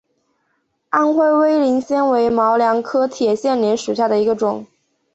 安徽威灵仙为毛茛科铁线莲属下的一个种。